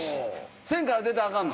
線から出たらアカンの？